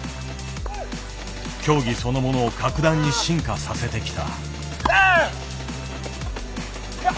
競技そのものを格段に進化させてきた。